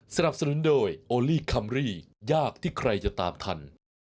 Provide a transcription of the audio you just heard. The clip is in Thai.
สนับสนุนโดยโอลี่คัมรี่ยากที่ใครจะตามทัน